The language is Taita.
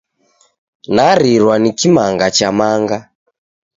Narirwa ni kimanga cha manga.